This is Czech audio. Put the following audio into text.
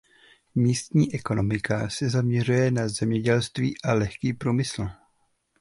Místní ekonomika se zaměřuje na zemědělství a lehký průmysl.